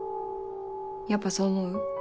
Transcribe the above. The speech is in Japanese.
やっぱそう思う？